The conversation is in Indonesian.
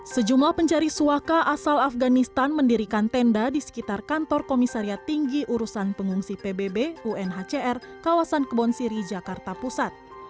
sejumlah pencari suaka asal afganistan mendirikan tenda di sekitar kantor komisariat tinggi urusan pengungsi pbb unhcr kawasan kebon siri jakarta pusat